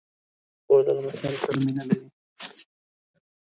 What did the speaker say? خور د لمسيانو سره مینه لري.